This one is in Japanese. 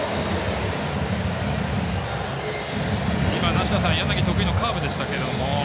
梨田さん柳得意のカーブでしたけど。